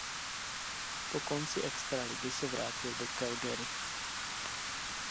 Po konci extraligy se vrátil do Calgary.